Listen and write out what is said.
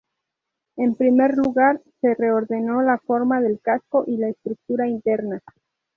En primer lugar, se reordenó la forma del casco y la estructura interna.